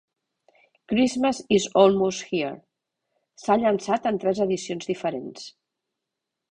"Christmas is Almost Here" s'ha llançat en tres edicions diferents.